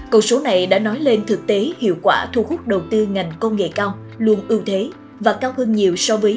câu số này đã nói lên thực tế hiệu quả thu hút đầu tư ngành công nghệ cao luôn ưu thế và cao hơn nhiều so với